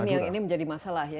yang ini menjadi masalah ya